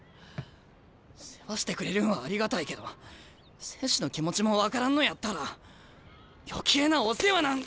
世話してくれるんはありがたいけど選手の気持ちも分からんのやったら余計なお世話なん。